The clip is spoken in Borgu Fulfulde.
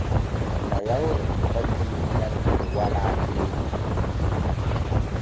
Nayawre hokke munyal ŋal walaa keerol.